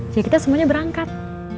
ya kita semuanya berangkat